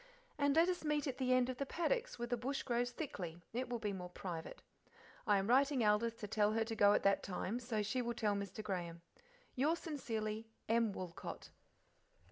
And let us meet at the end of the paddocks where the bush grows thickly, it will be more private. I am writing to Aldith to tell her to go at that time, she will tell Mr. Graham. Yours sincerely, M. Woolcot.